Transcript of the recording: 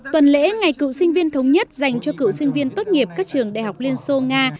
tuần lễ ngày cựu sinh viên thống nhất dành cho cựu sinh viên tốt nghiệp các trường đại học liên xô nga